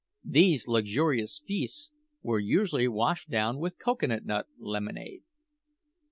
These luxurious feasts were usually washed down with cocoa nut lemonade.